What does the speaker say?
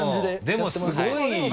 でもすごいよね。